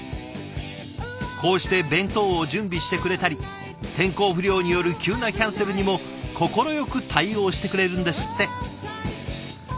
こうして弁当を準備してくれたり天候不良による急なキャンセルにも快く対応してくれるんですって。